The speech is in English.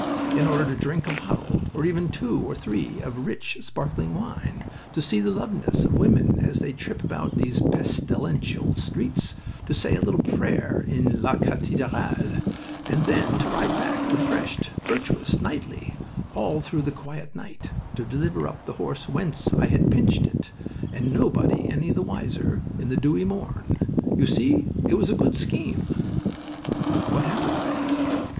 in order to drink a bottle, or even two or three, of rich, sparkling wine, to see the loveliness of women as they trip about these pestilential streets, to say a little prayer in la cathedrale, and then to ride back, refreshed, virtuous, knightly, all through the quiet night, to deliver up the horse whence I had pinched it, and nobody any the wiser in the dewy morn. You see, it was a good scheme." "What happened?" I asked.